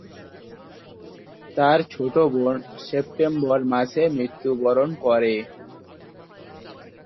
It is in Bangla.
তার ছোট বোন সেপ্টেম্বর মাসে মৃত্যুবরণ করে।